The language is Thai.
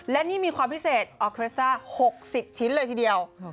และนี่มีความพิเศษออเครสซ่า๖๐ชิ้นเลยทีเดียว